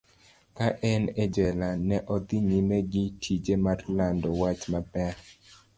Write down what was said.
Ka en e jela, ne odhi nyime gi tije mar lando wach maber.